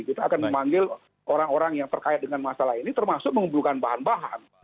kita akan memanggil orang orang yang terkait dengan masalah ini termasuk mengumpulkan bahan bahan